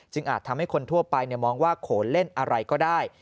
อาจทำให้คนทั่วไปมองว่าโขนเล่นอะไรก็ได้